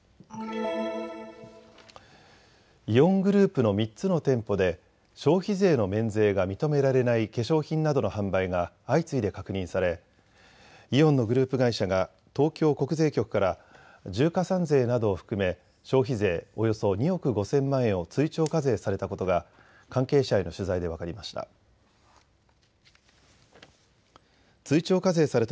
イオングループの３つの店舗で消費税の免税が認められない化粧品などの販売が相次いで確認されイオンのグループ会社が東京国税局から重加算税などを含め消費税およそ２億５０００万円を追徴課税されたことが関係者への取材で分かりました。